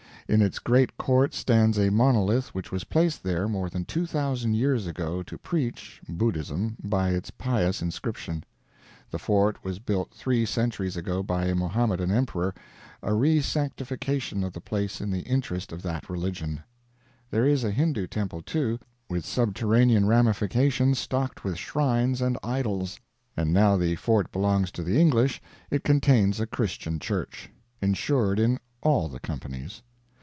In its great court stands a monolith which was placed there more than 2,000 years ago to preach (Budhism) by its pious inscription; the Fort was built three centuries ago by a Mohammedan Emperor a resanctification of the place in the interest of that religion. There is a Hindoo temple, too, with subterranean ramifications stocked with shrines and idols; and now the Fort belongs to the English, it contains a Christian Church. Insured in all the companies.